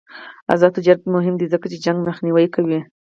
آزاد تجارت مهم دی ځکه چې جنګ مخنیوی کوي.